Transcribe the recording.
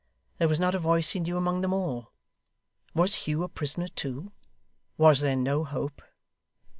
There was not a voice he knew among them all. Was Hugh a prisoner too? Was there no hope!